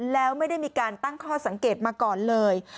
แล้วไม่ได้มีการตั้งข้อสังเกตมาก่อนเลย